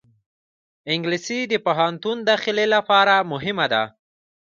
انګلیسي د پوهنتون داخلې لپاره مهمه ده